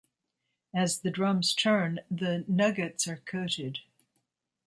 As the drums turn, the nuggets are coated.